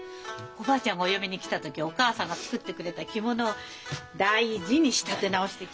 おばあちゃんがお嫁に来た時お母さんが作ってくれた着物を大事に仕立て直して着てるんですから。